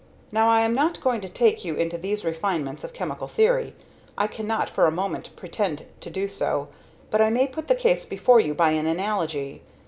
Now I am not going to take you into these refinements of chemical theory, I cannot for a moment pretend to do so, but I may put the case before you by an analogy.